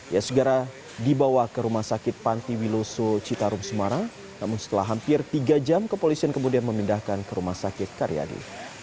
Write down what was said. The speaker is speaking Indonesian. ia segera dibawa ke rumah sakit panti wiloso citarum semarang namun setelah hampir tiga jam kepolisian kemudian memindahkan ke rumah sakit karyadi